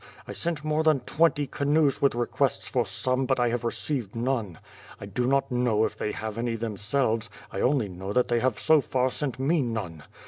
I sent more than twenty canoes with requests for some, but I have received none. I da not know if they have any themselves — I only know that they have so far sent me none.